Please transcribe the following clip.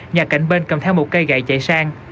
nhà cạnh bên cầm theo một cây gậy chạy sang